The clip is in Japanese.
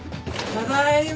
ただいま。